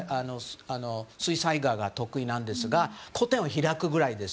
水彩画が得意ですが個展を開くぐらいです。